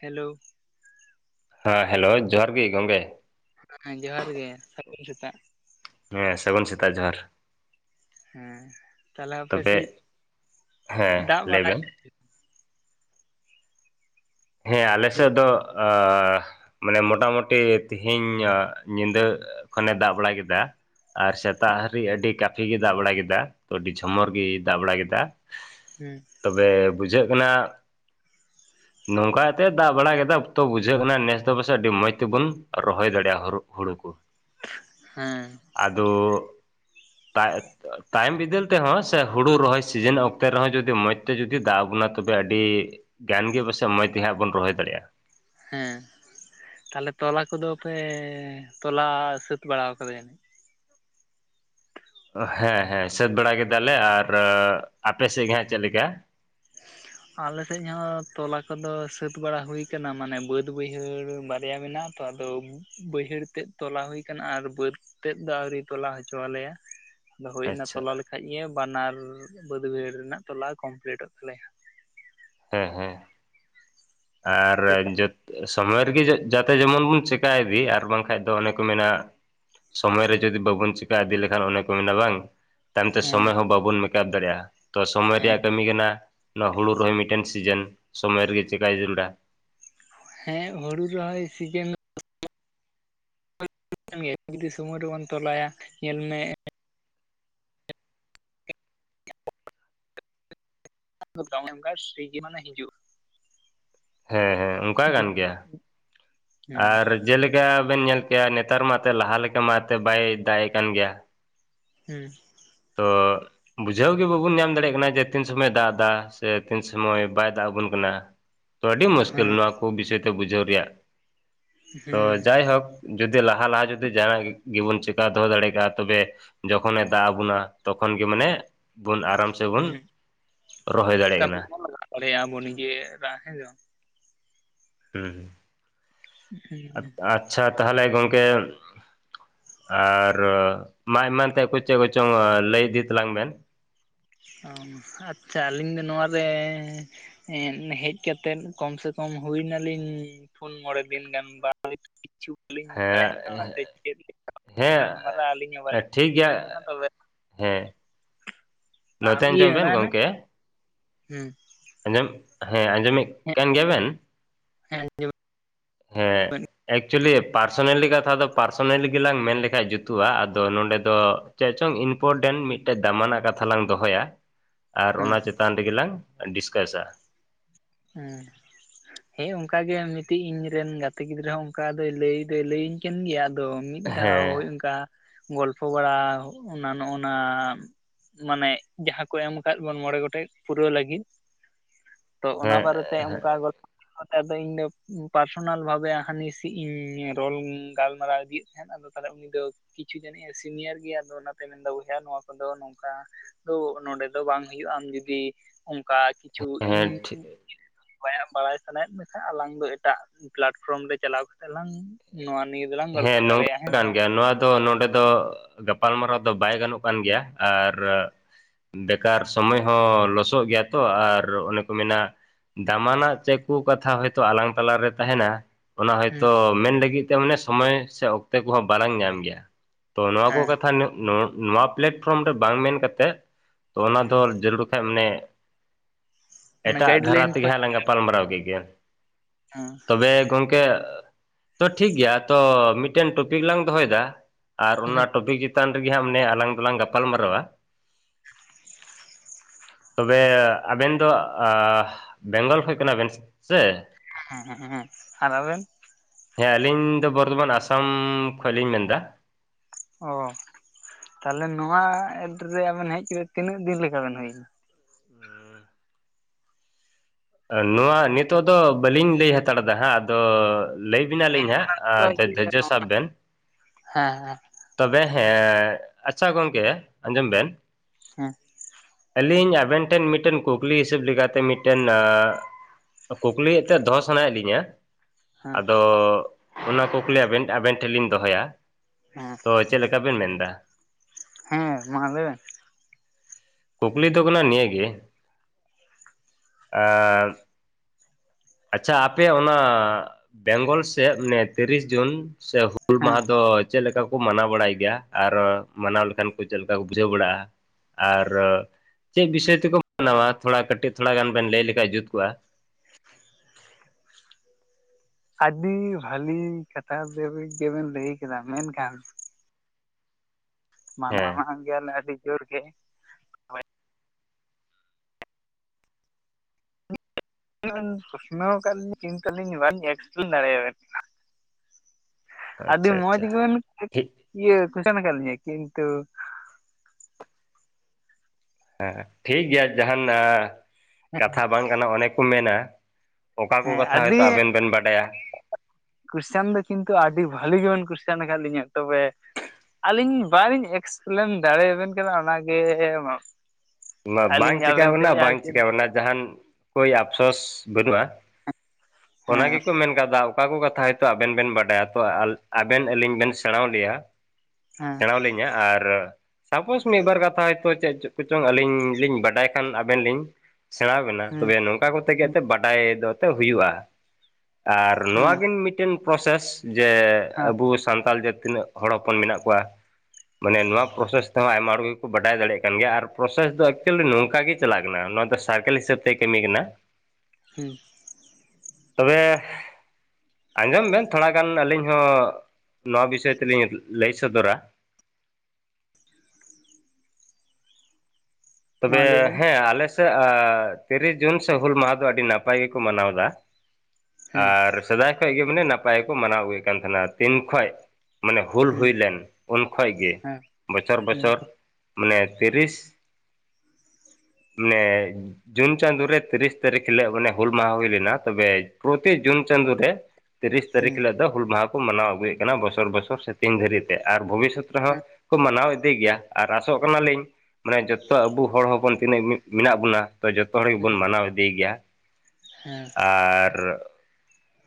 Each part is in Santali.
ᱦᱮᱞᱳ ᱦᱚᱸ ᱦᱮᱞᱳ ᱡᱚᱦᱟᱨ ᱜᱤ ᱜᱚᱢᱠᱮ ᱾ ᱦᱮᱸ ᱡᱚᱦᱟᱨ ᱜᱮ ᱥᱟᱹᱜᱩᱱ ᱥᱮᱛᱟᱜ ᱾ ᱦᱮᱸ ᱥᱟᱹᱜᱩᱱ ᱥᱮᱛᱟᱜ ᱡᱚᱦᱟᱨ ᱾ ᱦᱮᱸ ᱛᱟᱦᱚᱞᱮ ᱛᱚᱵᱮ ᱟᱯᱮᱥᱮᱡ ᱦᱮᱸ ᱫᱟᱜ ᱞᱟᱹᱭ ᱵᱟᱲᱟ ᱵᱮᱱ ᱮᱫᱟᱭ ᱥᱮ ᱵᱟᱝ? ᱦᱮᱸ ᱟᱞᱮ ᱥᱮᱫ ᱫᱚ ᱟᱸᱻ ᱢᱟᱱᱮ ᱢᱚᱴᱟ ᱢᱩᱴᱤ ᱛᱤᱦᱤᱧ ᱧᱤᱫᱟᱹ ᱠᱷᱚᱱᱮ ᱫᱟᱜ ᱵᱟᱲᱟ ᱠᱮᱫᱟ ᱾ ᱟᱨ ᱥᱮᱛᱟᱜ ᱦᱟᱹᱨᱤᱡ ᱟᱹᱰᱤ ᱠᱟᱯᱷᱤ ᱜᱮᱭ ᱫᱟᱜ ᱵᱟᱲᱟ ᱠᱮᱫᱟ ᱛᱚ ᱟᱹᱰᱤ ᱡᱷᱚᱢᱚᱨ ᱜᱤ ᱫᱟᱜ ᱵᱟᱲᱟ ᱠᱮᱫᱟ ᱾ ᱦᱩᱸᱻ ᱛᱚᱵᱮ ᱵᱩᱡᱷᱟᱹᱜ ᱠᱟᱱᱟ ᱱᱚᱝᱠᱟ ᱠᱟᱛᱮ ᱫᱟᱜ ᱵᱟᱲᱟ ᱠᱮᱫᱟ ᱚᱠᱛᱚ ᱵᱩᱡᱷᱟᱹᱜ ᱠᱟᱱᱟ ᱱᱮᱥ ᱫᱚ ᱯᱟᱥᱮᱡ ᱟᱹᱰᱤ ᱢᱚᱡᱽ ᱛᱮᱵᱚᱱ ᱨᱚᱦᱚᱭ ᱫᱟᱲᱮᱜᱼᱟ ᱦᱳᱲᱳ ᱦᱳᱲᱳ ᱠᱩ ᱾ ᱦᱮᱸ ᱾ ᱟᱫᱚ ᱛᱟᱭ ᱛᱟᱭᱚᱢ ᱵᱤᱫᱟᱹᱞ ᱛᱮᱦᱚᱸ ᱥᱮ ᱦᱳᱲᱳ ᱨᱚᱦᱚᱭ ᱥᱤᱡᱮᱱ ᱚᱠᱛᱮ ᱨᱮᱦᱚᱸ ᱡᱩᱫᱤ ᱢᱚᱡᱽ ᱛᱮ ᱡᱩᱫᱤ ᱫᱟᱜ ᱟᱵᱚᱱᱟ ᱛᱚᱵᱮ ᱟᱹᱰᱤ ᱜᱟᱱ ᱜᱮ ᱯᱟᱥᱮᱡ ᱢᱚᱡᱽ ᱛᱮ ᱦᱟᱸᱜ ᱵᱚᱱ ᱨᱚᱦᱚᱭ ᱫᱟᱲᱮᱭᱟᱜᱼᱟ ᱾ ᱦᱮᱸ ᱛᱟᱦᱚᱞᱮ ᱛᱚᱞᱟ ᱠᱚᱫᱚ ᱯᱮ ᱛᱚᱞᱟ ᱥᱟᱹᱛ ᱵᱟᱲᱟ ᱣᱟᱠᱟᱫᱽ ᱭᱟ ᱾ ᱦᱮᱸ ᱦᱮᱸ ᱥᱟᱹᱛ ᱵᱟᱲᱟ ᱠᱮᱫᱟᱞᱮ ᱟᱨ ᱟᱯᱮ ᱥᱮᱫ ᱜᱮ ᱦᱟᱸᱜ ᱪᱮᱫ ᱞᱮᱠᱟ‌ ᱾ [inaudible] ᱟᱞᱮᱥᱮᱫ ᱦᱚᱸ ᱛᱚᱞᱟ ᱠᱚᱫᱚ ᱥᱟᱹᱛ ᱵᱟᱲᱟ ᱦᱩᱭ ᱟᱠᱟᱱᱟ ᱢᱟᱱᱮ ᱵᱟᱹᱫ ᱵᱟᱹᱭᱦᱟᱹᱲ ᱵᱟᱨᱭᱟ ᱢᱮᱱᱟᱜ ᱛᱚ ᱟᱫᱚ ᱵᱟᱹᱭᱦᱟᱹᱲ ᱛᱮᱫ ᱛᱚᱞᱟ ᱦᱩᱭ ᱟᱠᱟᱱᱟ ᱟᱨ ᱵᱟᱹᱫᱽ ᱛᱮᱫ ᱫᱚ ᱟᱹᱣᱨᱤ ᱛᱚᱞᱟ ᱦᱚᱪᱚᱣᱟᱞᱮᱭᱟ ᱾ ᱟᱫᱚ ᱦᱚᱭ ᱮᱱᱟ ᱟᱪᱪᱷᱟ ᱛᱚᱞᱟ ᱞᱮᱠᱷᱟᱡ ᱜᱮ ᱵᱟᱱᱟᱨ ᱵᱟᱹᱫ ᱵᱟᱹᱭᱷᱟᱹᱲ ᱨᱮᱱᱟᱜ ᱛᱚᱞᱟ ᱠᱚᱢᱯᱞᱤᱴᱚᱜ ᱛᱟᱞᱮᱭᱟ ᱾ ᱦᱮᱸ ᱦᱮᱸ ᱾ ᱟᱨ ᱥᱮᱛᱟᱜ ᱡᱚᱛ ᱥᱚᱢᱚᱭ ᱨᱮᱜᱮ ᱡᱟᱛᱮ ᱡᱮᱢᱚᱱ ᱵᱚᱱ ᱪᱮᱠᱟ ᱤᱫᱤ ᱟᱨ ᱵᱟᱝᱠᱷᱟᱱ ᱫᱚ ᱚᱱᱮ ᱠᱚ ᱢᱮᱱᱟ ᱥᱚᱢᱚᱭ ᱨᱮ ᱡᱩᱫᱤ ᱵᱟᱵᱚᱱ ᱪᱤᱠᱟ ᱤᱫᱤ ᱞᱮᱠᱷᱟᱱ ᱚᱱᱮ ᱠᱚ ᱢᱮᱱᱟ ᱵᱟᱝ ᱛᱟᱭᱚᱢ ᱛᱮ ᱦᱮᱸ ᱥᱚᱢᱚᱭ ᱦᱚᱸ ᱵᱟᱵᱚᱱ ᱢᱮᱠᱟᱯ ᱫᱟᱲᱮᱭᱟᱜᱼᱟ ᱛᱚ ᱥᱚᱢᱚᱭ ᱦᱮᱸ ᱨᱮᱭᱟᱜ ᱠᱟᱹᱢᱤ ᱠᱟᱱᱟ ᱾ ᱱᱚᱣᱟ ᱦᱳᱲᱳ ᱨᱚᱦᱚᱭ ᱢᱤᱫᱴᱮᱱ ᱥᱤᱡᱮᱱ ᱥᱚᱢᱚᱭ ᱨᱮᱜᱮ ᱪᱤᱠᱟᱭ ᱡᱟᱹᱨᱩᱲᱟ ᱾ ᱦᱮᱸ ᱦᱳᱲᱳ ᱨᱚᱦᱚᱭ ᱥᱤᱡᱮᱱ ᱠᱟᱱ ᱜᱮᱭᱟ ᱡᱩᱫᱤ ᱥᱚᱢᱚᱭ ᱨᱮ ᱵᱟᱢ ᱛᱚᱞᱟᱭᱟ ᱧᱮᱞᱢᱮ [inaudible] ᱚᱱᱮ ᱚᱱᱠᱟ ᱥᱤ ᱜᱮ ᱢᱟᱱᱮ ᱦᱤᱡᱩᱜ ᱦᱮᱸ ᱦᱮᱸ ᱚᱱᱠᱟ ᱠᱟᱱ ᱦᱩᱸ ᱜᱮᱭᱟ ᱟᱨ ᱡᱮᱞᱮᱠ ᱠᱟ ᱵᱮᱱ ᱧᱮᱞ ᱠᱮᱜᱼᱟ ᱱᱮᱛᱟᱨ ᱢᱟ ᱛᱚ ᱞᱟᱦᱟ ᱞᱮᱠᱟ ᱢᱟ ᱛᱚ ᱵᱟᱭ ᱫᱟᱜᱮᱜ ᱠᱟᱱ ᱜᱮᱭᱟ ᱾ ᱦᱩᱸ ᱾ ᱛᱚ ᱵᱩᱡᱷᱟᱹᱣ ᱜᱤ ᱵᱟᱵᱚᱱ ᱧᱟᱢ ᱫᱟᱲᱮᱭᱟᱜ ᱠᱟᱱᱟ ᱡᱮ ᱛᱤᱱ ᱥᱚᱢᱚᱭ ᱫᱟᱜ ᱮᱫᱟ ᱥᱮ ᱛᱤᱱ ᱥᱚᱢᱚᱭ ᱵᱟᱭ ᱫᱟᱜ ᱟᱵᱚᱱ ᱠᱟᱱᱟ ᱾ [inaudible] ᱛᱚ ᱟᱹᱰᱤ ᱢᱩᱥᱠᱤᱞ ᱦᱮᱸ ᱱᱚᱣᱟ ᱠᱚ ᱵᱤᱥᱚᱭ ᱛᱮ ᱵᱩᱡᱷᱟᱹᱣ ᱨᱮᱭᱟᱜ ᱛᱚ ᱦᱩᱸ ᱡᱟᱭᱦᱳᱠ ᱡᱩᱫᱤ ᱞᱟᱦᱟ ᱞᱟᱦᱟ ᱡᱩᱫᱤ ᱡᱟᱦᱟᱱᱟᱜ ᱜᱮᱵᱚᱱ ᱪᱮᱠᱟ ᱫᱚᱦᱚ ᱫᱟᱲᱮ ᱠᱟᱜᱼᱟ, ᱛᱚᱵᱮ ᱡᱚᱠᱷᱚᱱᱮ ᱫᱟᱜ ᱟᱵᱚᱱᱟ ᱛᱚᱠᱷᱚᱱ ᱜᱮ ᱢᱟᱱᱮ ᱵᱚᱱ ᱟᱨᱟᱢ ᱥᱮᱵᱚᱱ ᱦᱩᱸ ᱨᱚᱦᱚᱭ ᱫᱟᱲᱮᱭᱟᱜ ᱠᱟᱱᱟ᱾ ᱯᱟᱞᱮ ᱟᱵᱚ ᱱᱤᱡᱮᱨᱟᱜ ᱦᱮᱸ ᱥᱮ ᱵᱟᱝ? ᱦᱮᱸ ᱦᱮᱸ᱾ ᱦᱩᱸ ᱟᱪᱪᱷᱟ ᱛᱟᱦᱚᱞᱮ ᱜᱚᱢᱠᱮ ᱟᱨ ᱢᱟ ᱮᱢᱟᱱ ᱛᱮ ᱠᱚ ᱪᱮᱫ ᱠᱚᱪᱚᱝ ᱞᱟᱹᱭ ᱤᱫᱤ ᱛᱟᱞᱟᱝ ᱵᱮᱱ᱾ ᱚ ᱟᱪᱪᱷᱟ ᱟᱹᱞᱤᱧ ᱫᱚ ᱱᱚᱣᱟᱨᱮ ᱮᱸᱜ ᱦᱮᱡᱠᱟᱛᱮᱫ ᱠᱚᱢ ᱥᱮ ᱠᱚᱢ ᱦᱩᱭ ᱱᱟᱞᱤᱧ, ᱯᱩᱱ ᱢᱚᱬᱮ ᱫᱤᱱ ᱜᱟᱱ ᱵᱟᱝ ᱠᱤᱪᱷᱩ ᱞᱤᱧ ᱵᱟᱲᱟᱭᱟ ᱦᱮᱸ ᱚᱱᱟᱛᱮ ᱪᱮᱫ ᱦᱮᱸ ᱜᱟᱞᱢᱟᱨᱟᱣ ᱟᱹᱞᱤᱧ ᱦᱚᱸ ᱵᱟᱞᱤᱧ ᱴᱷᱤᱠ ᱵᱩᱡ ᱫᱟᱲᱮᱭᱟᱜ ᱠᱟᱱᱟ᱾ ᱜᱮᱭᱟ ᱛᱚᱵᱮ ᱦᱮᱸ, ᱱᱚᱛᱮ ᱤᱭᱟᱹ ᱟᱸᱡᱚᱢ ᱵᱮᱱ ᱜᱚᱢᱠᱮ᱾ ᱦᱮᱸ, ᱟᱸᱡᱚᱢ ᱦᱮᱸ ᱟᱸᱡᱚᱢᱮᱫ ᱦᱮᱸ ᱠᱟᱱ ᱜᱮᱭᱟ ᱵᱮᱱ? ᱦᱮᱸ ᱟᱸᱡᱚᱢᱚᱜ ᱦᱮᱸ, ᱮᱠᱪᱩᱭᱮᱞᱤ ᱯᱟᱨᱥᱳᱱᱟᱞᱤ ᱠᱟᱛᱷᱟ ᱫᱚ ᱯᱟᱨᱥᱳᱱᱟᱞᱤ ᱜᱮᱞᱟᱝ ᱢᱮᱱ ᱞᱮᱠᱷᱟᱡ ᱡᱩᱛᱩᱜᱼᱟ, ᱟᱫᱚ ᱱᱚᱸᱰᱮ ᱫᱚ ᱪᱮᱫ ᱪᱚᱝ ᱤᱱᱯᱚᱨᱴᱮᱱᱴ ᱢᱤᱫᱴᱮᱱ ᱫᱟᱢᱟᱱᱟᱜ ᱠᱟᱛᱷᱟ ᱞᱟᱝ ᱫᱚᱦᱚᱭᱟ᱾ [inaudible] ᱟᱨ ᱚᱱᱟ ᱪᱮᱛᱟᱱ ᱨᱮᱜᱮ ᱞᱟᱝ ᱰᱤᱥᱠᱟᱥᱟ᱾ ᱦᱮᱸ, ᱦᱮᱸ ᱚᱱᱠᱟ ᱜᱮ ᱢᱤᱫᱴᱤᱡ ᱤᱧ ᱨᱮᱱ ᱜᱟᱛᱮ ᱜᱤᱫᱽᱨᱟᱹ ᱦᱚᱸ ᱚᱱᱠᱟ ᱫᱚᱭ ᱞᱟᱹᱭ ᱫᱚᱭ ᱞᱟᱹᱭᱟᱹᱧ ᱠᱟᱱ ᱜᱮᱭᱟ᱾ ᱟᱫᱚ ᱢᱤᱜ ᱫᱷᱟᱣ ᱦᱮᱸ ᱦᱳᱭ ᱚᱱᱠᱟ ᱜᱚᱞᱯᱦᱚ ᱵᱟᱲᱟ ᱚᱱᱟ ᱱᱚᱜᱼᱱᱟ ᱢᱟᱱᱮ ᱡᱟᱦᱟᱸᱠᱚ ᱮᱢ ᱟᱠᱟᱫ ᱵᱩᱱ ᱢᱚᱬᱮ ᱜᱚᱴᱮᱡ ᱯᱩᱨᱟᱹᱣ ᱞᱟᱹᱜᱤᱫ, ᱛᱚ ᱚᱱᱟ ᱦᱮᱸ ᱵᱟᱨᱮᱛᱮ ᱚᱱᱠᱟ ᱜᱚᱞᱯᱚ, ᱟᱫᱚ ᱤᱧ ᱫᱚ ᱯᱟᱨᱥᱚᱱᱟᱞ ᱵᱷᱟᱵᱮ ᱦᱟᱱᱤᱥᱤᱜ ᱤᱧ ᱨᱚᱲ ᱜᱟᱞᱢᱟᱨᱟᱣ ᱤᱫᱤᱭᱮᱫ ᱛᱟᱦᱮᱸᱫ᱾ ᱟᱫᱚ ᱟᱫᱚ ᱩᱱᱤ ᱫᱚ ᱠᱤᱪᱷᱩ ᱡᱟᱹᱱᱤᱡ ᱮ ᱥᱤᱱᱤᱭᱟᱨ ᱜᱮᱭᱟ, ᱟᱫᱚ ᱚᱱᱟᱛᱮ ᱢᱮᱱᱫᱟ ᱵᱚᱭᱦᱟ ᱱᱚᱣᱟ ᱠᱚᱫᱚ ᱱᱚᱝᱠᱟ ᱛᱚ ᱱᱚᱰᱮ ᱫᱚ ᱵᱟᱝ ᱦᱩᱭᱩᱜᱼᱟ, ᱟᱢ ᱡᱩᱫᱤ ᱚᱱᱠᱟ ᱠᱤᱪᱷᱩ ᱦᱮᱸ ᱤᱧ ᱴᱷᱤᱠ ᱚᱱᱠᱟ ᱵᱟᱲᱟᱭ ᱥᱟᱱᱟᱭᱮᱫ ᱢᱮ ᱠᱷᱟᱱ ᱟᱞᱟᱝ ᱫᱚ ᱮᱴᱟᱜ ᱯᱞᱟᱴᱯᱷᱨᱚᱢ ᱨᱮ ᱪᱟᱞᱟᱣ ᱠᱟᱛᱮᱫ ᱞᱟᱝ ᱱᱚᱣᱟ ᱱᱤᱭᱮ ᱫᱚᱞᱟᱝ ᱜᱚᱞᱯᱚ ᱫᱟᱲᱮᱭᱟᱜᱼᱟ, ᱦᱮᱸ ᱥᱮ ᱵᱟᱝ ᱛᱚ ᱱᱚᱸᱰᱮ ᱫᱚ ᱜᱟᱯᱟᱞᱢᱟᱨᱟᱣ ᱫᱚ ᱵᱟᱭ ᱜᱟᱱᱚᱜ ᱠᱟᱱ ᱜᱮᱭᱟ᱾ ᱟᱨ ᱵᱮᱠᱟᱨ ᱥᱚᱢᱚᱭ ᱦᱚᱸ ᱞᱚᱥᱚᱜ ᱜᱮᱭᱟ ᱛᱚ, ᱟᱨ ᱚᱱᱮ ᱠᱚ ᱢᱮᱱᱟ ᱫᱟᱢᱟᱱᱟᱜ ᱪᱮᱫ ᱠᱚ ᱠᱟᱛᱷᱟ ᱦᱳᱭᱛᱳ ᱟᱞᱟᱝ ᱛᱟᱞᱟᱨᱮ ᱛᱟᱦᱮᱱᱟ᱾ ᱚᱱᱟ ᱦᱩᱸ ᱦᱚᱭᱛᱳ ᱢᱮᱱ ᱞᱟᱹᱜᱤᱫ ᱛᱮ ᱢᱟᱱᱮ ᱥᱚᱢᱚᱭ ᱥᱮ ᱚᱠᱛᱮ ᱠᱚᱦᱚᱸ ᱵᱟᱞᱟᱝ ᱧᱟᱢ ᱜᱮᱭᱟ? ᱛᱚ ᱱᱚᱣᱟ ᱠᱚ ᱠᱟᱛᱷᱟ ᱱᱚᱣᱟ ᱯᱞᱟᱴᱯᱷᱨᱚᱢ ᱨᱮ ᱵᱟᱝ ᱢᱮᱱ ᱠᱟᱛᱮᱜ ᱛᱚ ᱚᱱᱟ ᱫᱚ ᱦᱮᱸ ᱡᱟᱹᱨᱩᱲ ᱠᱷᱟᱡ ᱢᱟᱱᱮ ᱢᱟᱱᱮ ᱮᱴᱟᱜ ᱜᱟᱭᱤᱰ ᱫᱷᱟᱨᱟ ᱞᱟᱭᱤᱱ ᱛᱮᱜᱮ ᱠᱷᱚᱡ ᱦᱟᱸᱜ ᱞᱟᱝ ᱜᱟᱯᱟᱞᱢᱟᱨᱟᱣ ᱤᱫᱤᱭᱮᱫ ᱜᱮᱭᱟ᱾ ᱦᱮᱸ ᱛᱚᱵᱮ ᱜᱚᱝᱠᱮ ᱛᱚ ᱴᱷᱤᱠ ᱜᱮᱭᱟ ᱛᱚ ᱢᱤᱫᱴᱮᱱ ᱴᱚᱯᱤᱠ ᱞᱟᱝ ᱫᱚᱦᱚᱭᱫᱟ ᱟᱨ ᱚᱱᱟ ᱴᱚᱯᱤᱠ ᱪᱮᱛᱟᱱ ᱪᱮᱛᱟᱱ ᱨᱮᱜᱮ ᱦᱟᱸᱜ ᱚᱱᱮ ᱟᱞᱟᱝ ᱫᱚᱞᱟᱝ ᱜᱟᱯᱟᱞᱢᱟᱨᱟᱣᱟ᱾ [inaudible] ᱛᱚᱵᱮ ᱟᱵᱮᱱ ᱫᱚ ᱵᱮᱝᱜᱚᱞ ᱠᱷᱚᱡ ᱠᱟᱱᱟ ᱵᱮᱱ ᱥᱮ? ᱦᱮᱸ ᱦᱮᱸ ᱟᱨ ᱟᱵᱮᱱ? ᱦᱮᱸ ᱟᱹᱞᱤᱧ ᱫᱚ ᱵᱚᱨᱫᱷᱚᱢᱟᱱ ᱟᱥᱟᱢ ᱠᱷᱚᱡ ᱞᱤᱧ ᱢᱮᱱᱫᱟ᱾ ᱚ, ᱛᱟᱦᱚᱞᱮ ᱱᱚᱣᱟ ᱮᱰ ᱨᱮ ᱟᱵᱮᱱ ᱦᱮᱡ ᱠᱟᱛᱮᱜ ᱛᱤᱱᱟᱹᱜ ᱫᱤᱱ ᱞᱮᱠᱟ ᱵᱮᱱ ᱦᱩᱭᱱᱟ? ᱱᱚᱣᱟ ᱱᱤᱛᱚᱜ ᱫᱚ ᱵᱟᱹᱞᱤᱧ ᱞᱟᱹᱭ ᱦᱟᱛᱟᱲ ᱫᱟ ᱦᱟᱸᱜ ᱟᱫᱚᱼᱼ ᱞᱟᱹᱭ ᱵᱤᱱᱟᱞᱤᱧ ᱦᱟᱸᱜ ᱟᱸ ᱫᱮ ᱫᱮᱡᱚ ᱥᱟᱵ ᱵᱮᱱ ᱦᱮᱸ ᱦᱮᱸ ᱛᱚᱵᱮ ᱦᱮᱸᱻ ᱟᱪᱪᱷᱟ ᱜᱚᱝᱠᱮ ᱟᱸᱡᱚᱢ ᱵᱮᱱ ᱦᱮᱸ ᱟᱹᱞᱤᱧ ᱟᱵᱮᱱ ᱴᱷᱮᱱ ᱢᱤᱫᱴᱮᱱ ᱠᱩᱠᱞᱤ ᱦᱤᱥᱟᱹᱵ ᱞᱮᱠᱟᱛᱮ ᱢᱤᱫᱴᱮᱱ ᱟᱻ ᱠᱩᱠᱞᱤ ᱮᱱᱛᱮᱫ ᱫᱚᱦᱚ ᱥᱟᱱᱟᱭᱮᱫ ᱞᱤᱧᱟᱹᱼᱼ ᱦᱮᱸ ᱟᱫᱚ ᱚᱱᱟ ᱠᱩᱠᱞᱤ ᱟᱵᱮᱱ ᱟᱵᱮᱱ ᱴᱷᱮᱱ ᱞᱤᱧ ᱫᱚᱦᱚᱭᱟ। ᱦᱮᱸ। ᱛᱚ ᱪᱮᱫ ᱞᱮᱠᱟ ᱵᱮᱱ ᱢᱮᱱᱫᱟ? ᱦᱮᱸ ᱢᱟ ᱞᱟᱹᱭ ᱢᱮ। ᱠᱩᱠᱞᱤ ᱫᱚ ᱠᱟᱱᱟ ᱱᱤᱭᱟᱹᱜᱮ ᱟᱨ ᱻ ᱟᱪᱪᱷᱟ ᱟᱯᱮ ᱚᱱᱟᱻ ᱵᱮᱝᱜᱚᱞ ᱥᱮᱫ ᱢᱟᱱᱮ ᱛᱤᱨᱤᱥ ᱡᱩᱱᱼᱼ ᱥᱮ ᱦᱩᱞ ᱦᱮᱸ ᱢᱟᱦᱟ ᱫᱚ ᱪᱮᱫ ᱞᱮᱠᱟ ᱠᱚ ᱢᱟᱱᱟᱣ ᱵᱟᱲᱟᱭ ᱜᱮᱭᱟ ᱟᱨ ᱢᱟᱱᱟᱣ ᱞᱮᱠᱷᱟᱱ ᱠᱚ ᱪᱮᱫ ᱞᱮᱠᱟ ᱠᱚ ᱵᱩᱡᱷᱟᱹᱣ ᱵᱟᱲᱟᱜᱼᱟ? ᱟᱨᱚ ᱪᱮᱫ ᱵᱤᱥᱚᱭ ᱛᱮᱠᱚ ᱢᱟᱱᱟᱣᱟ? ᱛᱷᱚᱲᱟ ᱠᱟᱹᱴᱤᱡ ᱛᱷᱚᱲᱟ ᱜᱟᱱ ᱵᱮᱱ ᱞᱟᱹᱭ ᱞᱮᱠᱷᱟᱱᱡ ᱡᱩᱛ ᱠᱚᱜᱼᱟ। ᱟᱹᱰᱤ ᱵᱷᱟᱹᱞᱤ ᱠᱟᱛᱷᱟ ᱜᱮᱵᱮᱱ ᱞᱟᱹᱭ ᱠᱮᱫᱟ ᱢᱮᱱᱠᱷᱟᱱᱼᱼ ᱢᱟᱱᱟᱣ ᱦᱮᱸ ᱜᱮᱭᱟ ᱞᱮ ᱟᱹᱰᱤ ᱡᱳᱨ ᱜᱮ [unintelligible] ᱯᱚᱥᱱᱳ ᱠᱟᱫ ᱞᱤᱧᱟ ᱠᱤᱱᱛᱩ ᱟᱞᱤᱧ ᱵᱟᱝᱞᱤᱧ ᱮᱠᱥᱯᱮᱞᱮᱱ ᱫᱟᱲᱮᱭᱟ ᱵᱮᱱ ᱠᱟᱱᱟ ᱟᱹᱰᱤ ᱟᱪᱪᱷᱟ ᱢᱚᱡ ᱟᱪᱪᱷᱟ ᱜᱮᱵᱮᱱ ᱴᱷᱤᱠ ᱤᱭᱟᱹ ᱠᱳᱥᱪᱮᱱ ᱠᱟᱫ ᱞᱤᱧᱟᱹ ᱠᱤᱱᱛᱩ ᱦᱮᱸ ᱴᱷᱤᱠ ᱜᱮᱭᱟ ᱡᱟᱦᱟᱱ ᱠᱟᱛᱷᱟ ᱵᱟᱝ ᱠᱟᱱᱟ ᱚᱱᱮ ᱠᱚ ᱢᱮᱱᱟ ᱚᱠᱟ ᱠᱚ ᱠᱟᱛᱷᱟ ᱦᱚᱭᱛᱚ ᱟᱵᱮᱱ ᱵᱮᱱ ᱵᱟᱰᱟᱭᱟ ᱠᱳᱥᱪᱟᱱ ᱫᱚ ᱠᱤᱱᱛᱩ ᱟᱹᱰᱤ ᱵᱷᱟᱹᱞᱤ ᱜᱮᱵᱮᱱ ᱠᱳᱥᱪᱟᱱ ᱟᱠᱟᱫ ᱞᱤᱧᱟᱹ ᱛᱚᱵᱮ ᱟᱹᱞᱤᱧ ᱵᱟᱞᱤᱧ ᱮᱠᱥᱯᱞᱮᱱ ᱫᱟᱲᱮᱭᱟᱵᱮᱱ ᱠᱟᱱᱟ ᱚᱱᱟᱜᱮᱻ ᱵᱟᱝ ᱪᱤᱠᱟᱣ ᱠᱟᱱᱟ ᱵᱟᱝ ᱪᱮᱫ ᱪᱤᱠᱟᱣ ᱞᱤᱧ ᱠᱟᱱᱟ ᱞᱟᱹᱭᱟ ᱡᱟᱦᱟᱱ ᱠᱳᱭ ᱟᱯᱥᱳᱚᱥ ᱵᱟᱹᱱᱩᱜᱼᱟ ᱚᱱᱟ ᱦᱮᱸ ᱜᱮᱠᱚ ᱢᱮᱱ ᱠᱟᱫᱟ ᱚᱠᱟ ᱠᱚ ᱠᱟᱛᱷᱟ ᱦᱚᱭᱛᱚ ᱟᱵᱮᱱ ᱵᱮᱱ ᱵᱟᱰᱟᱭᱟ ᱛᱚ ᱟᱵᱮᱱ ᱟᱹᱞᱤᱧ ᱵᱮᱱ ᱥᱮᱸᱲᱟᱣ ᱞᱮᱭᱟ ᱦᱮᱸ ᱥᱮᱸᱲᱟ ᱞᱤᱧᱟ ᱟᱨ ᱥᱟᱯᱳᱥ ᱢᱤᱫ ᱵᱟᱨ ᱠᱟᱛᱷᱟ ᱦᱚᱭᱛᱚ ᱪᱮᱫᱼᱼ ᱟᱹᱞᱤᱧ ᱞᱤᱧ ᱵᱟᱰᱟᱭ ᱠᱷᱟᱱ ᱟᱵᱮᱱ ᱞᱤᱧ ᱥᱮᱸᱲᱟ ᱟᱵᱮᱱᱟ ᱛᱚᱵᱮ ᱱᱚᱱᱼᱼ ᱚᱠᱟ ᱠᱚᱛᱮ ᱜᱮ [unintelligible] ᱵᱟᱰᱟᱭ ᱫᱚ ᱛᱚ ᱦᱩᱭᱩᱜᱼᱟ ᱟᱨ ᱦᱮᱸ ᱦᱮᱸ ᱦᱮᱸ ᱱᱚᱣᱟ ᱠᱤᱱ ᱢᱤᱫᱴᱮᱱ ᱯᱨᱚᱥᱮᱥ ᱡᱮ ᱟᱵᱚ ᱥᱟᱱᱛᱟᱲ ᱡᱟᱹᱛ ᱛᱤᱱᱟᱹᱜ ᱦᱚᱲ ᱦᱚᱯᱚᱱ ᱢᱮᱱᱟᱜ ᱠᱚᱣᱟ ᱢᱟᱱᱮ ᱱᱚᱣᱟ ᱯᱨᱚᱥᱮᱥ ᱛᱮᱦᱚᱸ ᱟᱭᱢᱟ ᱦᱚᱲ ᱜᱮ ᱠᱚ ᱵᱟᱰᱟᱭ ᱫᱟᱲᱮᱭᱟᱜ ᱠᱟᱱ ᱜᱮᱭᱟ ᱟᱨ ᱯᱨᱚᱥᱮᱥ ᱫᱚ ᱮᱠᱪᱩᱞᱤ ᱱᱚᱝᱠᱟ ᱜᱮ ᱪᱟᱞᱟᱜ ᱠᱟᱱᱟ ᱱᱚᱣᱟ ᱫᱚ ᱥᱟᱨᱠᱮᱞ ᱦᱤᱥᱟᱹᱵ ᱛᱮ ᱠᱟᱹᱢᱤ ᱠᱟᱱᱟ। ᱦᱩᱸ ᱛᱚᱵᱮ ᱟᱸᱡᱚᱢ ᱵᱮᱱ ᱛᱷᱚᱲᱟ ᱜᱟᱱ ᱟᱹᱞᱤᱧ ᱦᱚᱸ ᱱᱚᱣᱟ ᱵᱤᱥᱚᱭ ᱛᱮᱞᱤᱧ ᱞᱟᱹᱭ ᱥᱚᱫᱚᱨᱟ। ᱛᱚᱵᱮ ᱢᱟ ᱞᱟᱹᱭ ᱵᱮᱱ ᱦᱮᱸ ᱟᱞᱮᱥᱮᱫ ᱮ ᱛᱤᱨᱤᱥ ᱡᱩᱱ ᱥᱮ ᱦᱩᱞ ᱢᱟᱦᱟ ᱫᱚ ᱟᱹᱰᱤ ᱱᱟᱯᱟᱭ ᱜᱮᱠᱚ ᱢᱟᱱᱟᱣᱫᱟ। ᱦᱮᱸ ᱟᱨ ᱥᱮᱫᱟᱭ ᱠᱷᱚᱡ ᱜᱮ ᱢᱟᱱᱮ ᱱᱟᱯᱟᱭ ᱜᱮ ᱠᱚ ᱢᱟᱱᱟᱣ ᱟᱹᱜᱩᱭᱮᱫ ᱠᱟᱱ ᱛᱟᱦᱮᱱᱟ ᱛᱤᱱ ᱠᱷᱚᱡᱼᱼ ᱢᱟᱱᱮ ᱦᱩᱞ ᱦᱮᱸ ᱦᱩᱭ ᱞᱮᱱ ᱩᱱ ᱠᱷᱚᱡ ᱜᱮ ᱦᱮᱸ ᱦᱮᱸ ᱵᱚᱪᱷᱚᱨ ᱦᱮᱸ ᱵᱚᱪᱷᱚᱨ ᱢᱟᱱᱮ ᱛᱤᱨᱤᱥᱼᱼ ᱢᱟᱱᱮ ᱡᱩᱱ ᱪᱟᱸᱫᱳ ᱨᱮ ᱛᱤᱨᱤᱥ ᱛᱟᱹᱨᱤᱠᱷ ᱦᱤᱞᱳᱜ ᱢᱟᱱᱮ ᱦᱩᱞ ᱢᱟᱦᱟ ᱦᱩᱭ ᱞᱮᱱᱟ ᱛᱚᱵᱮ ᱯᱨᱚᱛᱮ ᱡᱩᱱ ᱪᱟᱸᱫᱳ ᱨᱮᱼᱼ ᱛᱤᱨᱤᱥ ᱛᱟᱹᱨᱤᱠᱷ ᱦᱮᱸ ᱦᱤᱞᱳᱜ ᱫᱚ ᱦᱩᱞ ᱢᱟᱦᱟ ᱠᱚ ᱢᱟᱱᱟᱣ ᱟᱹᱜᱩᱭᱮᱫ ᱠᱟᱱᱟ ᱵᱚᱪᱷᱚᱨ ᱵᱚᱪᱷᱚᱨ ᱥᱮ ᱛᱮᱦᱤᱧ ᱫᱷᱟᱹᱨᱤᱜ ᱛᱮ ᱟᱨ ᱵᱷᱚᱵᱤᱼᱼ ᱥᱚᱛ ᱨᱮ ᱦᱚᱸ ᱦᱮᱸ ᱠᱚ ᱢᱟᱱᱟᱣ ᱤᱫᱤ ᱜᱮᱭᱟ ᱟᱨ ᱟᱥᱚᱜ ᱠᱟᱱᱟ ᱦᱮᱸ ᱞᱤᱧ ᱢᱟᱱᱮ ᱡᱷᱚᱛᱚ ᱟᱵᱚ ᱦᱚᱲ ᱦᱚᱯᱚᱱᱼᱼ ᱠᱷᱚᱱ ᱛᱤᱱᱟᱹᱜ ᱢᱮᱱᱟᱜ ᱵᱚᱱᱟ ᱛᱚ ᱡᱷᱚᱛᱚ ᱦᱚᱲ ᱜᱮ ᱵᱚᱱ ᱢᱟᱱᱟᱣ ᱤᱫᱤ ᱜᱮᱭᱟ। ᱦᱮᱸ। ᱦᱮᱸ ᱦᱮᱸ ᱦᱮᱸ ᱦᱮᱸ ᱦᱮᱸ ᱟᱨ ᱻ ᱾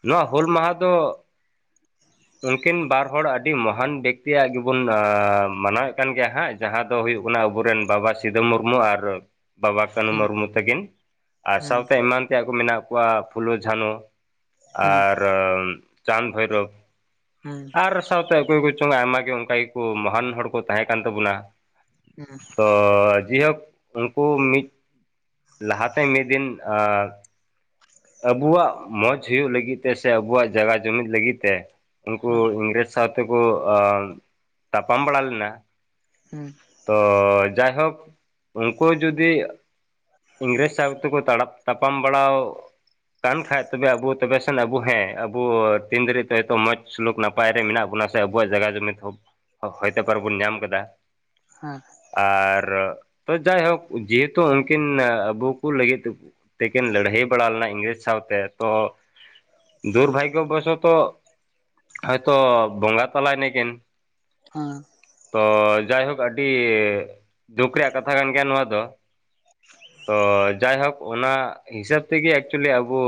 ᱱᱚᱣᱟ ᱦᱩᱞ ᱢᱟᱦᱟ ᱫᱚ ᱩᱱᱠᱤᱱ ᱵᱟᱨ ᱦᱚᱲ ᱟᱹᱰᱤ ᱢᱚᱦᱟᱱ ᱵᱮᱠᱛᱤ ᱭᱟᱜ ᱜᱮᱵᱚᱱ ᱢᱟᱱᱟᱣ ᱮᱫ ᱠᱟᱱ ᱜᱮᱭᱟ ᱦᱟᱸᱜ ᱾ ᱡᱟᱦᱟᱸ ᱫᱚ ᱦᱩᱭᱩᱜ ᱠᱟᱱᱟ ᱟᱵᱚ ᱨᱮᱱ ᱵᱟᱵᱟ ᱥᱤᱫᱩ ᱢᱩᱨᱢᱩ ᱟᱨ ᱵᱟᱵᱟ ᱠᱟᱹᱱᱩ ᱢᱩᱨᱢᱩ ᱛᱟᱹᱠᱤᱱ ᱟᱨ ᱥᱟᱶ ᱛᱮ ᱦᱮᱸ ᱮᱢᱟᱱ ᱛᱮ ᱭᱟᱜ ᱠᱚ ᱢᱮᱱᱟᱜ ᱠᱚᱣᱟ ᱯᱷᱩᱞᱳ ᱡᱷᱟᱱᱚ ᱾ ᱟᱨ ᱪᱟᱸᱫᱽ ᱵᱷᱳᱭ ᱨᱳᱵ ᱾ ᱦᱮᱸ ᱾ ᱥᱟᱶᱛᱮ ᱚᱠᱚᱭ ᱠᱚ ᱪᱚᱝ ᱟᱭᱢᱟ ᱜᱮ ᱚᱱᱠᱟ ᱜᱮ ᱠᱚ ᱢᱚᱦᱟᱱ ᱦᱚᱲ ᱠᱚ ᱛᱟᱦᱮᱸ ᱠᱟᱱ ᱛᱟᱵᱳ ᱱᱟ ᱾ ᱛᱚ ᱻ ᱡᱮ ᱦᱳᱠ ᱩᱱᱠᱩ ᱢᱤᱫ ᱞᱟᱦᱟ ᱛᱮ ᱢᱤᱫ ᱫᱤᱱ ᱟᱻ ᱾ ᱟᱵᱚᱣᱟᱜ ᱢᱚᱡᱽ ᱦᱩᱭᱩᱜ ᱞᱟᱹᱜᱤᱫ ᱛᱮ ᱥᱮ ᱟᱵᱚ ᱣᱟᱜ ᱡᱟᱭᱜᱟ ᱡᱩᱢᱤᱫ ᱞᱟᱹᱜᱤᱫ ᱛᱮ ᱩᱱᱠᱩ ᱩᱱᱰᱮᱨ ᱥᱟᱶ ᱛᱮ ᱠᱚ ᱛᱟᱯᱟᱢ ᱵᱟᱲᱟ ᱞᱮᱱᱟ ᱾ ᱦᱩᱸ ᱾ ᱛᱚ ᱡᱟᱭ ᱦᱳᱠ ᱩᱱᱠᱩ ᱡᱩᱫᱤ ᱤᱝᱨᱮᱡᱽ ᱥᱟᱶ ᱛᱮ ᱠᱚ ᱛᱟᱲᱟᱵ ᱛᱟᱯᱟᱢ ᱵᱟᱲᱟ ᱠᱟᱱ ᱠᱷᱟᱡ ᱛᱚ ᱵᱮ ᱟᱵᱚ ᱛᱚᱵᱮ ᱥᱮᱱ ᱟᱵᱚ ᱦᱮᱸ ᱟᱵᱚ ᱛᱤᱱ ᱨᱮ ᱥᱟᱭᱛᱚ ᱢᱚᱡᱽ ᱥᱩᱞᱩᱠ ᱱᱟᱯᱟᱭ ᱨᱮ ᱢᱮᱱᱟᱜ ᱵᱚᱱᱟ ᱥᱮ ᱟᱵᱚ ᱣᱟᱜ ᱡᱟᱭᱜᱟ ᱡᱩᱢᱤᱫ ᱦᱚᱠ ᱾ ᱦᱚᱭ ᱛᱳ ᱯᱟᱨ ᱵᱚᱱ ᱧᱟᱢ ᱠᱟᱫᱟ ᱾ ᱟᱨ ᱛᱚ ᱡᱟᱭ ᱦᱳᱠ ᱡᱮ ᱦᱮᱛᱩ ᱦᱟᱱ ᱠᱤᱱ ᱟᱵᱚ ᱠᱚ ᱞᱟᱹᱜᱤᱫ ᱾ ᱛᱮᱠᱤᱱ ᱞᱟ. ᱲᱦᱟ. ᱭ ᱵᱟᱲᱟ ᱞᱮᱱᱟ ᱾ ᱤᱝᱜᱽᱨᱮᱡ ᱥᱟᱶᱛᱮ ᱛᱚ ᱫᱩᱨ ᱵᱷᱟᱭᱜᱚ ᱵᱚᱥᱚ ᱛᱚ ᱾ ᱦᱚᱭ ᱛᱚ ᱵᱚᱸᱜᱟ ᱛᱟᱞᱟᱭ ᱱᱟᱠᱤᱱ ᱾ ᱦᱮᱸ ᱛᱚ ᱡᱟᱭ ᱦᱳᱠ ᱟᱹᱰᱤ ᱫᱩᱠ ᱨᱮᱭᱟᱜ ᱠᱟᱛᱷᱟ ᱠᱟᱱ ᱜᱮᱭᱟ ᱱᱚᱣᱟ ᱫᱚ ᱾ ᱦᱚᱭ ᱡᱟᱭ ᱦᱚᱠ ᱚᱱᱟ ᱦᱤᱥᱟᱹᱵ ᱛᱮ ᱜᱮᱼᱼᱼ ᱪᱮᱞᱮ ᱟᱵᱚ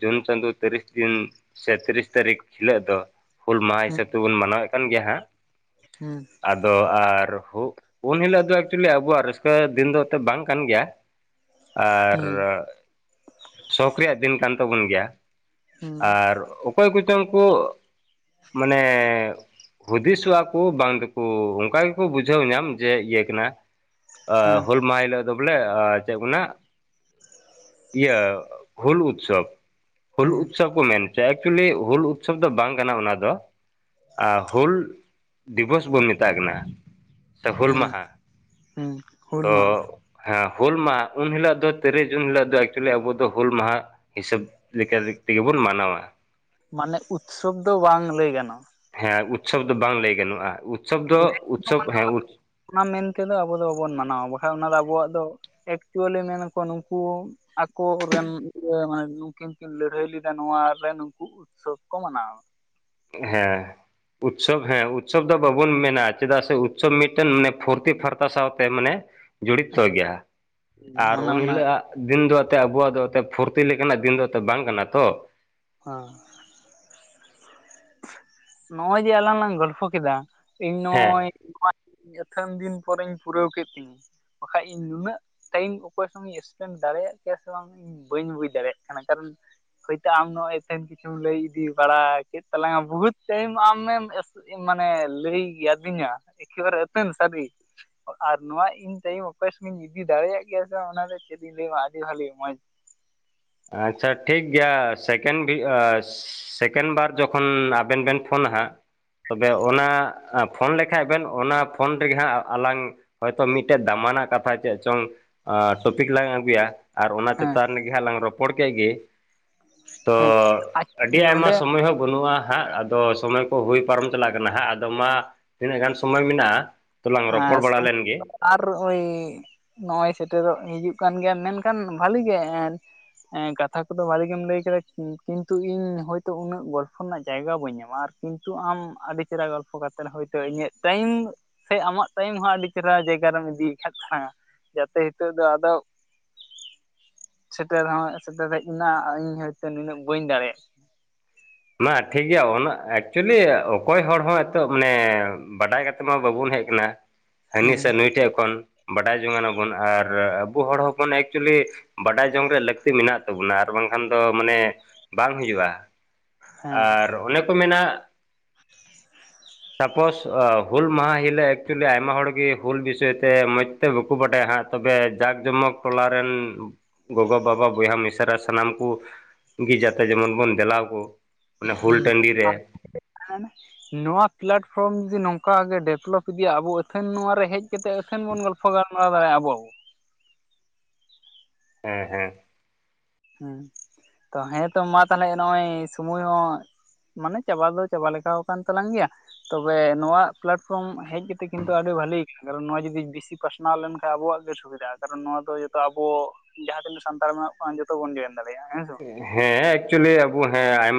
ᱡᱩᱱ ᱪᱟᱸᱫᱳ ᱛᱤᱨᱤᱥ ᱫᱤᱱ ᱥᱮ ᱛᱤᱨᱤᱥ ᱛᱟᱹᱨᱤᱠᱷ ᱦᱤᱞᱟᱹᱜ ᱫᱚᱼᱼᱼ ᱦᱩᱞ ᱢᱟᱦᱟ ᱦᱤᱥᱟᱹᱵ ᱛᱮ ᱵᱚᱱ ᱢᱟᱱᱟᱣ ᱮᱫ ᱠᱟᱱ ᱜᱮᱭᱟ ᱦᱟᱸᱜ᱾ ᱦᱩᱸ᱾ ᱟᱫᱚ ᱟᱨ ᱦᱩᱼᱼᱼ ᱩᱱ ᱦᱤᱞᱚᱜ ᱫᱚ ᱮᱠᱪᱩᱞᱤ ᱟᱵᱚ ᱣᱟᱜ ᱨᱟᱹᱥᱠᱟᱹ ᱫᱤᱱ ᱫᱚ ᱛᱚ ᱵᱟᱝ ᱠᱟᱱ ᱜᱮᱭᱟ ᱟᱨᱼᱼᱼ ᱥᱚᱠ ᱨᱮᱭᱟᱜ ᱫᱤᱱ ᱠᱟᱱ ᱛᱟᱵᱚᱱ ᱜᱮᱭᱟ ᱟᱨ ᱚᱠᱚᱭ ᱠᱚᱪᱚᱝ ᱠᱚᱼᱼᱼ ᱢᱟᱱᱮᱼᱼᱼ ᱦᱩᱫᱤᱥᱚᱜᱼᱟ ᱠᱚ ᱵᱟᱝ ᱫᱚ ᱠᱚ ᱚᱱᱠᱟ ᱜᱮ ᱠᱚ ᱵᱩᱡᱷᱟᱹᱣ ᱧᱟᱢ ᱡᱮ ᱤᱭᱟᱹ ᱠᱟᱱᱟᱼᱼᱼ ᱦᱮᱸ ᱦᱮᱸ ᱦᱩᱞ ᱢᱟᱦᱟ ᱦᱤᱞᱚᱜ ᱫᱚ ᱵᱚᱞᱮ ᱪᱮᱫ ᱠᱚ ᱢᱮᱱᱟ ᱤᱭᱟᱹᱼᱼᱼ ᱦᱩᱞ ᱩᱛᱥᱚᱵ ᱦᱩᱞ ᱦᱮᱸ ᱩᱛᱥᱚᱵ ᱠᱚ ᱢᱮᱱᱼᱼᱼ ᱮᱠᱪᱩᱞᱤ ᱦᱩᱞ ᱩᱛᱥᱚᱵ ᱫᱚ ᱵᱟᱝ ᱠᱟᱱᱟ ᱚᱱᱟ ᱫᱚ ᱦᱩᱞᱼᱼᱼ ᱫᱤᱵᱚᱥ ᱵᱚᱱ ᱢᱮᱛᱟᱜ ᱠᱟᱱᱟ ᱥᱮ ᱦᱩᱞ ᱦᱮᱸ ᱢᱟᱦᱟ? ᱦᱩᱸ ᱦᱩᱞ ᱛᱚ ᱢᱟᱦᱟ᱾ ᱦᱮᱸ ᱦᱩᱞ ᱢᱟ ᱩᱱ ᱦᱤᱞᱚᱜ ᱫᱚ ᱛᱤᱨᱤᱥ ᱡᱩᱱ ᱦᱤᱞᱟᱜ ᱫᱚ ᱮᱠᱪᱩᱞᱤ ᱟᱵᱚ ᱫᱚᱼᱼᱼ ᱫᱚ ᱦᱩᱞ ᱢᱟᱦᱟ ᱦᱤᱥᱟᱹᱵᱽ ᱞᱮᱠᱟ ᱛᱮᱜᱮ ᱵᱚᱱ ᱢᱟᱱᱟᱣᱟ᱾ ᱢᱟᱱᱮ ᱩᱛᱥᱟᱵᱽ ᱫᱚ ᱵᱟᱝ ᱞᱟᱹᱭ ᱜᱟᱱᱚᱜ ᱟ᱾ ᱦᱮᱸ ᱩᱛᱥᱟᱵ ᱫᱚ ᱵᱟᱝ ᱞᱟᱹᱭ ᱜᱟᱱᱚᱜᱼᱟ ᱩᱛᱥᱟᱵ ᱫᱚ ᱩᱛᱥᱟᱵ ᱢᱟᱱᱮ ᱦᱮᱸᱼᱼᱼ ᱚᱱᱟ ᱚᱱᱟ ᱢᱮᱱᱛᱮᱫᱚ ᱟᱵᱚ ᱫᱚ ᱵᱟᱵᱚᱱ ᱢᱟᱱᱟᱣᱟ ᱵᱟᱠᱷᱟᱱ ᱚᱱᱟ ᱫᱚ ᱟᱵᱚᱣᱟᱜ ᱫᱚ ᱮᱠᱪᱩᱞᱤ ᱢᱮᱱ ᱱᱟᱠᱚ ᱱᱩᱠᱩᱼᱼᱼ ᱟᱠᱚᱨᱮᱱ ᱤᱭᱟᱹ ᱢᱟᱱᱮ ᱩᱱᱩᱠᱤᱱ ᱠᱤᱱ ᱞᱟᱹᱲᱦᱟᱹᱭ ᱞᱮᱫᱟ ᱱᱚᱣᱟ ᱨᱮ ᱱᱩᱠᱩᱼᱼᱼ ᱠᱷᱩᱵ ᱠᱚᱢᱟᱱᱟᱣᱟ᱾ ᱦᱮᱸ᱾ ᱩᱛᱥᱚᱵ ᱦᱮᱸ ᱩᱛᱥᱚᱵ ᱫᱚ ᱵᱟᱵᱚᱱ ᱢᱮᱱᱟ ᱪᱮᱫᱟᱜ ᱥᱮ ᱩᱛᱥᱚᱵ ᱢᱤᱫᱴᱮᱱ ᱢᱟᱱᱮ ᱯᱷᱩᱨᱛᱤ ᱯᱷᱟᱨᱛᱟ ᱥᱟᱶᱛᱮ ᱢᱟᱱᱮ ᱡᱚᱲᱤᱛᱚ ᱜᱮᱭᱟ᱾ ᱟᱨ ᱢᱟᱱᱮ ᱩᱱ ᱚᱱᱟ ᱦᱤᱞᱳᱜ ᱫᱤᱱ ᱫᱚ ᱮᱱᱛᱮᱫ ᱟᱵᱚᱣᱟᱜ ᱫᱚ ᱮᱱ ᱯᱷᱩᱨᱛᱤ ᱞᱮᱠᱟᱱᱟᱜ ᱫᱤᱱ ᱫᱚ ᱛᱚ ᱵᱟᱝ ᱠᱟᱱᱟ ᱛᱚ, ᱦᱟᱸ᱾ ᱱᱚᱜᱼᱚᱭ ᱡᱮ ᱟᱞᱟᱝ ᱞᱟᱝ ᱜᱚᱞᱯᱷᱚ ᱠᱮᱫᱟ, ᱤᱧ ᱱᱚᱜᱼᱚᱭ ᱦᱮᱸ ᱮᱛᱷᱟᱱ ᱫᱤᱱ ᱯᱚᱨᱮᱧ ᱯᱩᱨᱟᱹᱣ ᱠᱮᱫ ᱛᱤᱧᱟᱹ᱾ ᱵᱟᱠᱷᱟᱡᱱ ᱤᱧ ᱱᱩᱱᱟᱹᱜ ᱴᱟᱭᱤᱢ ᱚᱠᱚᱭ ᱥᱚᱝ ᱤᱧ ᱮᱥᱯᱮᱱᱰ ᱫᱟᱲᱮᱭᱟᱜ ᱠᱮᱭᱟ ᱥᱮ ᱵᱟᱝ ᱤᱧ ᱵᱟᱹᱧ ᱵᱩᱡ ᱫᱟᱲᱮᱭᱟᱜ ᱠᱟᱱᱟ, ᱠᱟᱨᱚᱱ ᱦᱳᱭᱛᱳ ᱟᱢ ᱱᱚᱜᱼᱚᱭ ᱟᱹᱛᱷᱟᱹᱱ ᱠᱤᱪᱷᱩᱢ ᱞᱟᱹᱭ ᱤᱫᱤ ᱵᱟᱲᱟ ᱠᱮᱫ ᱛᱟᱞᱟᱝᱟ ᱵᱚᱦᱩᱛ ᱛᱮᱦᱮᱢ ᱟᱢᱮᱢ ᱮᱥ ᱢᱟᱱᱮ ᱞᱟᱹᱭ ᱜᱮ ᱟᱫᱤᱧᱟ ᱮᱠᱮᱵᱟᱨᱮ ᱟᱹᱛᱷᱟᱹᱱ ᱥᱟᱹᱨᱤ ᱟᱨ ᱱᱚᱣᱟ ᱤᱧ ᱴᱟᱭᱤᱢ ᱚᱠᱚᱭ ᱥᱟᱜᱤᱧ ᱤᱫᱤ ᱫᱟᱲᱮᱭᱟᱜ ᱜᱮᱭᱟ ᱥᱮ ᱚᱱᱟ ᱫᱚ ᱪᱮᱫ ᱤᱧ ᱞᱟᱹᱭᱢᱟ ᱟᱹᱰᱤ ᱵᱷᱟᱹᱜᱞᱤ ᱢᱚᱸᱡ ᱟᱪᱪᱷᱟ ᱴᱷᱤᱠ ᱜᱮᱭᱟ ᱥᱮᱠᱮᱱᱰ ᱟᱸ ᱵᱷᱤᱥ ᱥᱮᱠᱮᱱᱰ ᱵᱟᱨ ᱡᱚᱠᱷᱚᱱ ᱟᱵᱮᱱ ᱵᱮᱱ ᱯᱷᱳᱱᱟ ᱦᱟᱸᱜ, ᱛᱚᱵᱮ ᱚᱱᱟ ᱯᱷᱳᱱ ᱞᱮᱠᱷᱟᱡ ᱵᱮᱱ ᱚᱱᱟ ᱯᱷᱳᱱ ᱨᱮᱜᱮ ᱦᱟᱸᱜ ᱟᱞᱟᱝ ᱦᱚᱭᱛᱳ ᱢᱤᱫᱴᱮᱡ ᱫᱟᱢᱟᱱᱟᱜ ᱠᱟᱛᱷᱟ ᱪᱮᱫ ᱪᱚᱝ ᱟ ᱴᱚᱯᱤᱠ ᱞᱟᱝ ᱟᱹᱜᱩᱭᱟ ᱟᱨ ᱚᱱᱟ ᱦᱮᱸ ᱪᱮᱛᱟᱱ ᱨᱮᱜᱮ ᱦᱟᱸᱜ ᱞᱟᱝ ᱨᱚᱯᱚᱲ ᱠᱮᱫ ᱜᱮ, ᱛᱚ ᱦᱮᱸ ᱟᱹᱰᱤ ᱟᱭᱢᱟ ᱱᱚᱰᱮ ᱥᱚᱢᱚᱭ ᱦᱚᱸ ᱵᱟᱹᱱᱩᱜᱼᱟ ᱦᱟᱸᱜ ᱟᱫᱚ ᱥᱚᱢᱚᱭ ᱠᱚ ᱦᱩᱭ ᱯᱟᱨᱚᱢ ᱪᱟᱞᱟᱜ ᱠᱟᱱᱟ ᱦᱟᱸᱜ, ᱟᱫᱚ ᱢᱟ ᱛᱤᱱᱟᱹᱜ ᱜᱟᱱ ᱥᱚᱢᱚᱭ ᱢᱮᱱᱟᱜᱼᱟ ᱛᱚᱞᱟᱝ ᱨᱚᱯᱚᱲ ᱵᱟᱲᱟ ᱞᱮᱱᱜᱮ᱾ ᱟᱨ ᱳᱭ ᱱᱚᱜᱼᱚᱭ ᱥᱮᱴᱮᱨᱚᱜ ᱦᱤᱡᱩᱜ ᱠᱟᱱ ᱜᱮᱭᱟ ᱢᱮᱱᱠᱷᱟᱱ ᱵᱷᱟᱞᱮ ᱜᱮ ᱮᱱ ᱠᱟᱛᱷᱟ ᱠᱚᱫᱚ ᱵᱷᱟᱞᱮ ᱜᱮᱢ ᱞᱟᱹᱭ ᱠᱮᱫᱟ ᱠᱤᱱᱛᱩ ᱤᱧ ᱦᱚᱭᱛᱚ ᱩᱱᱟᱹᱜ ᱜᱚᱞᱯᱷᱚ ᱨᱮᱱᱟᱜ ᱡᱟᱭᱜᱟ ᱵᱟᱹᱧ ᱧᱟᱢᱟ, ᱟᱨ ᱠᱤᱱᱛᱩ ᱟᱢ ᱟᱹᱰᱤ ᱪᱮᱦᱮᱨᱟ ᱜᱚᱞᱯᱚ ᱠᱟᱛᱮᱫ ᱦᱚᱭᱛᱳ ᱤᱧᱟᱹᱜ ᱴᱟᱭᱤᱢ ᱥᱮ ᱟᱢᱟᱜ ᱴᱟᱭᱤᱢ ᱦᱚᱸ ᱟᱹᱰᱤ ᱪᱮᱨᱦᱟ ᱡᱟᱭᱜᱟ ᱨᱮᱢ ᱤᱫᱤᱭ ᱠᱷᱟᱫ ᱛᱟᱞᱟᱝᱼᱟ᱾ ᱡᱟᱛᱮ ᱦᱤᱛᱚᱜ ᱫᱚ ᱟᱫᱚ ᱥᱮᱴᱮᱨ ᱦᱚᱸ ᱥᱮᱴᱮᱨ ᱦᱮᱡ ᱱᱟ ᱤᱧ ᱦᱚᱭᱛᱳ ᱱᱤᱱᱟᱹᱜ ᱵᱟᱹᱧ ᱫᱟᱲᱮᱭᱟᱜ ᱢᱟ ᱴᱷᱤᱠ ᱜᱮᱭᱟ ᱚᱱᱟ ᱮᱠᱪᱩᱭᱮᱞᱤ ᱚᱠᱚᱭ ᱦᱚᱲ ᱦᱚᱸ ᱮᱛᱚᱳᱜ ᱢᱟᱱᱮ ᱵᱟᱰᱟᱭ ᱠᱟᱛᱮ ᱢᱟ ᱵᱟᱵᱚᱱ ᱦᱮᱡ ᱠᱟᱱᱟ ᱦᱟᱹᱱᱤ ᱦᱮᱸ ᱥᱮ ᱱᱩᱭ ᱴᱷᱮᱡ ᱠᱷᱚᱱ ᱵᱟᱰᱟᱭ ᱡᱚᱝᱟᱱᱟᱵᱚᱱ ᱟᱨ ᱟᱵᱚ ᱦᱚᱲ ᱦᱚᱯᱚᱱ ᱮᱠᱪᱩᱭᱮᱞᱤ ᱵᱟᱰᱟᱭ ᱡᱚᱝ ᱨᱮᱭᱟᱜ ᱞᱟᱹᱠᱛᱤ ᱢᱮᱱᱟᱜ ᱛᱟᱵᱚᱱᱟ ᱟᱨ ᱵᱟᱝᱠᱷᱟᱱ ᱫᱚ ᱢᱟᱱᱮ ᱵᱟᱝ ᱦᱩᱭᱩᱜᱼᱟ᱾ ᱟᱨ ᱚᱱᱮ ᱠᱚ ᱢᱮᱱᱟ [inaudible] ᱛᱟᱯᱳᱥ ᱦᱩᱞ ᱢᱟᱦᱟ ᱦᱤᱞᱳᱜ ᱮᱠᱪᱩᱭᱮᱞᱤ ᱟᱭᱢᱟ ᱦᱚᱲᱜᱮ ᱦᱩᱞ ᱵᱤᱥᱚᱭᱛᱮ ᱢᱚᱡᱽᱛᱮ ᱵᱟᱠᱚ ᱵᱟᱰᱟᱭᱟ ᱦᱟᱸᱜ, ᱛᱚᱵᱮ ᱡᱟᱠ ᱡᱚᱢᱚᱠ ᱴᱚᱞᱟ ᱨᱮᱱ ᱜᱚᱜᱚᱼᱵᱟᱵᱟ ᱵᱚᱭᱦᱟ ᱢᱤᱥᱨᱟ ᱥᱟᱱᱟᱢ ᱠᱚ ᱜᱤ ᱡᱟᱛᱮ ᱡᱮᱢᱚᱱ ᱵᱚᱱ ᱫᱮᱞᱟᱣ ᱠᱚ ᱚᱱᱟ ᱦᱩᱞ ᱦᱩᱸ ᱴᱟᱺᱰᱤ ᱨᱮ ᱟᱨ [unintelligible] ᱟᱭᱢᱮ, ᱱᱚᱣᱟ ᱯᱞᱟᱴᱯᱷᱚᱨᱚᱢ ᱡᱩᱫᱤ ᱱᱚᱝᱠᱟ ᱜᱮ ᱰᱮᱵᱷᱞᱚᱯ ᱤᱫᱤᱭᱟ ᱟᱵᱚ ᱟᱹᱛᱷᱟᱹᱱ ᱱᱚᱣᱟ ᱨᱮ ᱦᱮᱡ ᱠᱟᱛᱮ ᱟᱹᱛᱷᱟᱹᱱ ᱵᱚᱱ ᱜᱟᱞ ᱯᱷᱚ ᱫᱟᱨᱟᱭᱟ ᱟᱵᱚ᱾ ᱦᱮᱸ ᱦᱮᱸ᱾ ᱦᱮᱸ ᱛᱚ ᱦᱮᱸᱛᱚ ᱢᱟ ᱛᱟᱦᱚᱞᱮ ᱱᱚᱜᱼᱚᱭ ᱥᱚᱢᱚᱭ ᱦᱚᱸ ᱢᱟᱱᱮ ᱪᱟᱵᱟ ᱫᱚ ᱪᱟᱵᱟ ᱞᱮᱠᱟᱣ ᱠᱟᱱ ᱛᱟᱞᱟᱝ ᱜᱮᱭᱟ᱾ ᱛᱚᱵᱮ ᱱᱚᱶᱟ ᱯᱞᱟᱴᱯᱷᱨᱚᱢ ᱦᱮᱡ ᱠᱟᱛᱮᱜ ᱠᱤᱱᱛᱩ ᱟᱹᱰᱤ ᱵᱷᱟᱞᱮ ᱠᱟᱨᱚᱱ ᱱᱚᱣᱟ ᱡᱩᱫᱤ ᱵᱤᱥᱤ ᱯᱟᱥᱱᱟᱣ ᱞᱮᱱᱠᱷᱟᱡ ᱟᱵᱚᱣᱟᱜ ᱜᱮ ᱥᱩᱵᱤᱫᱟᱜᱼᱟ ᱠᱟᱨᱚᱱ ᱱᱚᱣᱟ ᱫᱚ ᱡᱚᱛᱚ ᱟᱹᱵᱩ ᱡᱟᱦᱟᱸ ᱛᱤᱱᱟᱹᱜ ᱥᱟᱱᱛᱟᱲ ᱢᱮᱱᱟᱜ ᱵᱚᱱᱟ ᱡᱷᱚ ᱛᱚ ᱵᱚᱱ ᱡᱚᱣᱮᱱ ᱫᱟᱲᱮᱭᱟᱜᱼᱟ ᱦᱮᱸ᱾ ᱵᱟᱝ ᱦᱮᱸ ᱮᱠᱪᱩᱞᱤ ᱟᱹᱵᱩ ᱦᱮᱸ ᱟᱭ